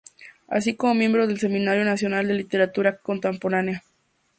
Así como miembro del Seminario Nacional de Literatura Contemporánea.